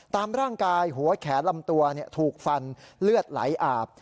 ตามร่างกายหัวแขนลำตัวถูกฟันเลือดไหลอาบ